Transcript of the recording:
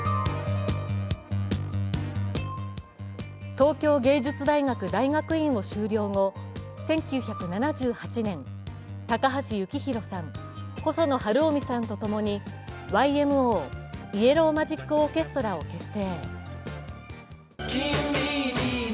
東京芸術大学大学院を修了後、１９７８年高橋幸宏さん、細野晴臣さんとともにＹＭＯ＝イエロー・マジック・オーケストラを結成。